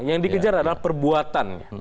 yang dikejar adalah perbuatan